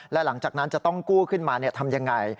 และหลังจากนั้นจะต้องกู้ขึ้นมาทำยังไง